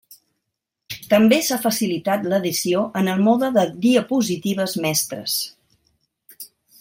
També s'ha facilitat l'edició en el mode de diapositives mestres.